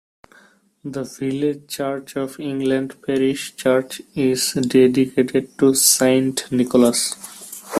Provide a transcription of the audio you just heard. The village Church of England parish church is dedicated to Saint Nicholas.